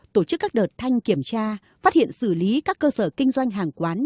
tổ chức các đợt thanh kiểm tra phát hiện xử lý các cơ sở kinh doanh hàng quán